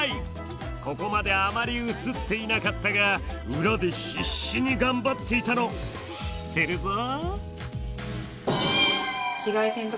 ここまであまり映っていなかったが裏で必死に頑張っていたの知ってるぞ！